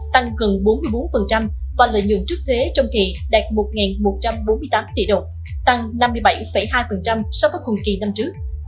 tăng gần bốn mươi bốn và lợi nhuận trước thuế trong kỳ đạt một một trăm bốn mươi tám tỷ đồng tăng năm mươi bảy hai so với cùng kỳ năm trước